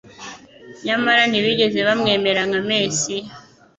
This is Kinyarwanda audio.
nyamara ntibigeze bamwemera nka Mesiya.